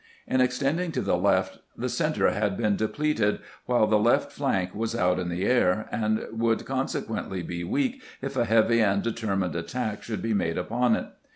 In extending to the left the center had been depleted, while the left flank was out in the air, and would consequently be weak if a heavy and determined attack should be made upon it.